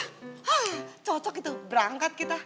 hah cocok itu berangkat kita